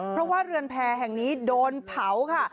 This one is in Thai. เพราะว่าเรือนแพรแห่งนี้โดนเผาค่ะ